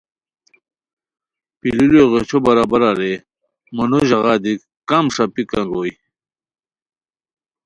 پیلیلو غیچھو برابرہ رے مونو ژاغا دی کم ݰاپیک انگوئے